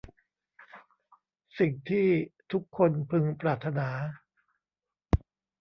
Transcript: สิ่งที่ทุกคนพึงปรารถนา